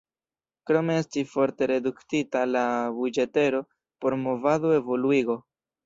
Krome estis forte reduktita la buĝetero por "movada evoluigo".